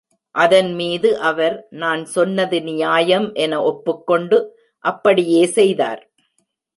அதன்மீது அவர், நான் சொன்னது நியாயம் என ஒப்புக்கொண்டு அப்படியே செய்தார்.